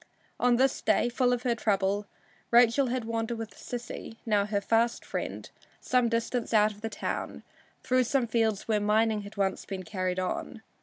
On this day, full of her trouble, Rachel had wandered with Sissy, now her fast friend, some distance out of the town, through some fields where mining had once been carried on.